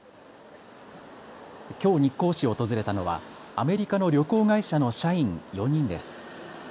きょう日光市を訪れたのはアメリカの旅行会社の社員４人です。